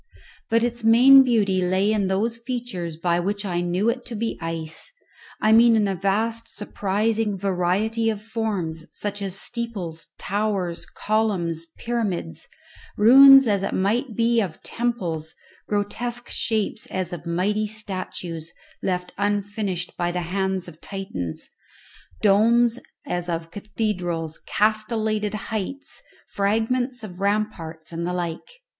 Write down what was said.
But its main beauty lay in those features by which I knew it to be ice I mean in a vast surprising variety of forms, such as steeples, towers, columns, pyramids, ruins as it might be of temples, grotesque shapes as of mighty statues, left unfinished by the hands of Titans, domes as of cathedrals, castellated heights, fragments of ramparts, and the like.